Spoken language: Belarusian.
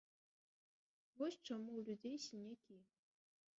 Вось чаму ў людзей сінякі!